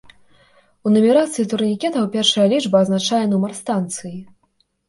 У нумарацыі турнікетаў першая лічба азначае нумар станцыі.